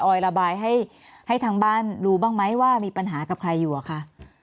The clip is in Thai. อยระบายให้ทางบ้านรู้บ้างไหมว่ามีปัญหากับใครอยู่อะคะ